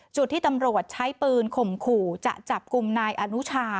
จุดที่ตำรวจใช้ปืนข่มขู่จะจับกลุ่มนายอนุชา